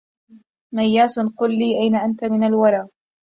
مياس قل لي أين أنت من الورى